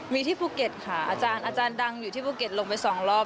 มีที่ภูเก็ตค่ะอาจารย์ดังอยู่ที่ภูเก็ตลงไป๒รอบ